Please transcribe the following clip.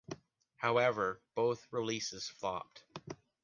However both releases flopped.